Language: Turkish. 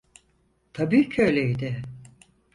Tabii ki öyleydi.